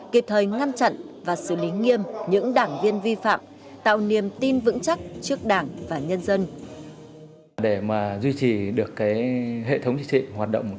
kịp thời ngăn chặn và xử lý nghiêm những đảng viên vi phạm tạo niềm tin vững chắc trước đảng và nhân dân